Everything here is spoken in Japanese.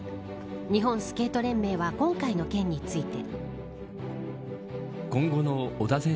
日本スケート連盟は今回の件について。